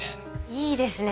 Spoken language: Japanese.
いいですね